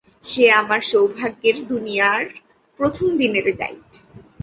সে আমার সৌভাগ্যের দুনিয়ার প্রথম দিনের গাইড।